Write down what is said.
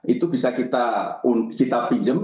itu bisa kita pinjam